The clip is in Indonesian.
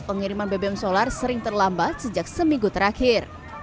pengiriman bbm solar sering terlambat sejak seminggu terakhir